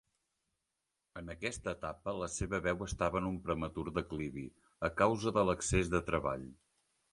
En aquesta etapa, la seva veu estava en un prematur declivi a causa de l'excés de treball.